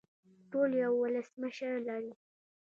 ټول یو ولسمشر لري